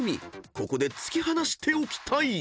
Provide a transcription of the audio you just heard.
［ここで突き放しておきたい］